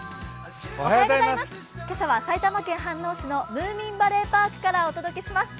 今朝は埼玉県飯能市のムーミンバレーパークからお届けします。